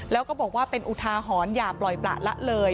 แล้วก็บอกว่าเป็นอุทาหรณ์อย่าปล่อยประละเลย